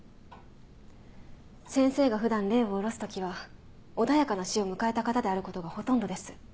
先生が普段霊を降ろす時は穏やかな死を迎えた方であることがほとんどです。